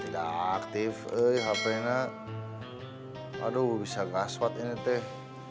tidak aktif hp enak aduh bisa gaswat ini teh